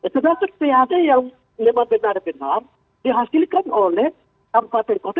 termasuk pad yang memang benar benar dihasilkan oleh kabupaten kota